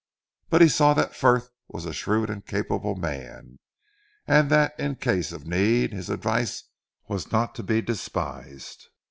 But he saw that Frith was a shrewd and capable man, and that in case of need, his advice was not to be despised.